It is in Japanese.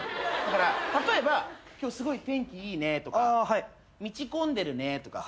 例えば「今日すごい天気いいね」とか「道混んでるね」とか。